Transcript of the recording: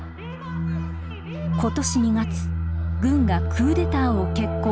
今年２月軍がクーデターを決行。